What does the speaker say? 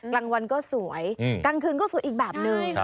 กลางวันก็สวยกลางคืนก็สวยอีกแบบนึง